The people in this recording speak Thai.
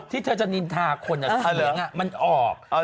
ที่เธอนินทาคนสิงมันออก